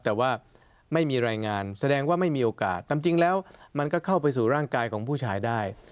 แต่ว่าไม่มีรายงานแสดงว่าไม่มีโอกาสแต่จริงแล้วมันก็เข้าไปสู่ร่างกายของผู้ชายได้